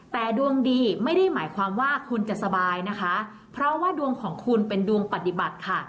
แต่ดวงดีไม่ได้หมายความว่าคุณจะสบายนะคะเพราะว่าดวงของคุณเป็นดวงปฏิบัติค่ะ